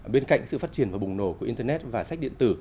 bên cạnh sự phát triển và bùng nổ của internet và sách điện tử